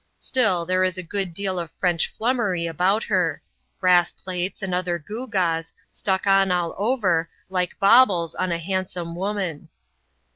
Still, there is a good deal of French flummery about her — brass plates and other gewgaws, stuck on all over, like baubles on a handsome woman.